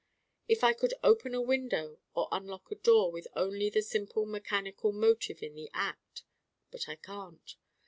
If I could open a window or unlock a door with only the simple mechanical motive in the act But I can't.